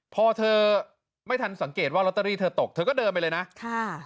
พอเธอไม่ทันสังเกตว่าลอตเตอรี่เธอตกเธอก็เดินไปเลยนะค่ะ